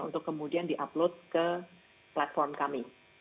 untuk kemudian diupload ke platform kami